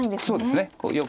そうですね。